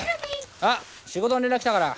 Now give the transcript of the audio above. あっ仕事の連絡来たから。